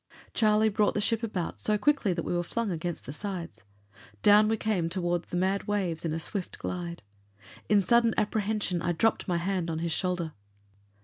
Charlie brought the ship about so quickly that we were flung against the sides. Down we came toward the mad waves in a swift glide. In sudden apprehension, I dropped my hand on his shoulder.